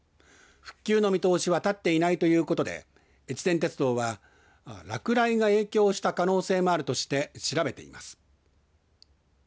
復旧の見通しは立っていないということでえちぜん鉄道は落雷が影響した可能性もあるとして調べています。